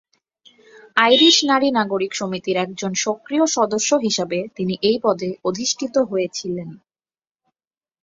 Irish নারী নাগরিক সমিতির একজন সক্রিয় সদস্য হিসাবে তিনি এই পদে অধিষ্ঠিত হয়েছিলেন।